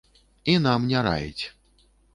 І нам не раіць.